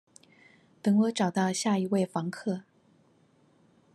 等我找到下一個房客